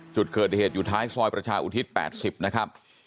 จุดเกิดเหตุอยู่ท้ายซอยประชาอุทิศ๘๐นะครับ